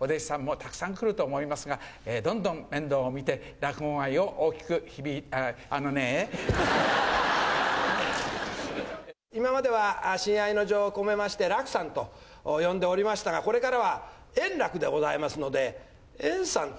お弟子さんもたくさん来ると思いますが、どんどん面倒を見て、落語界を大きく、今までは親愛の情を込めまして、楽さんと呼んでおりましたが、これからは円楽でございますので、円さんと。